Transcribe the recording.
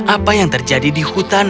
apa yang terjadi di hutan